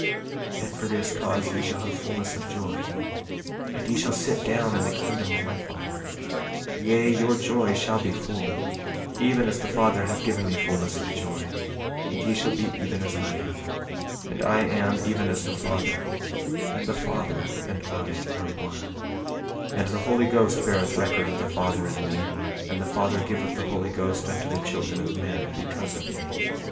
28:10 And for this cause ye shall have fulness of joy; and ye shall sit down in the kingdom of my Father; yea, your joy shall be full, even as the Father hath given me fulness of joy; and ye shall be even as I am, and I am even as the Father; and the Father and I are one; 28:11 And the Holy Ghost beareth record of the Father and me; and the Father giveth the Holy Ghost unto the children of men, because of me.